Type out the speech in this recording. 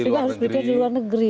sehingga harus berkiprah di luar negeri